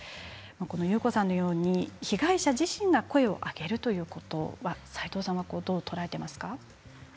このユウコさんのように被害者自身が声を上げるということ齋藤さんはどう捉えていますか？